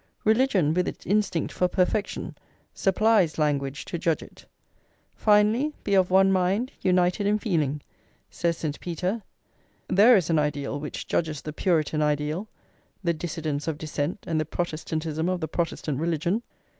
Religion, with its instinct for perfection, supplies language to judge it: "Finally, be of one mind, united in feeling," says St. Peter. There is an ideal which judges the Puritan ideal, "The Dissidence of Dissent and the Protestantism of the Protestant religion!"